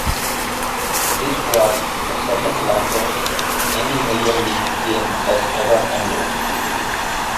This was the second latest any major league game has ever ended.